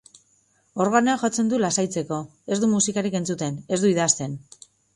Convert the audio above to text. Organoa jotzen du lasaitzeko, ez du musikarik entzuten, ez du idazten.